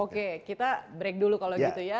oke kita break dulu kalau gitu ya